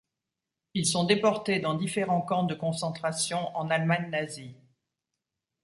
Ils sont déportés dans différents camps de concentration en Allemagne nazie.